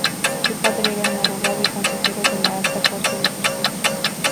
Su padre era un abogado y consejero de la alta corte de justicia.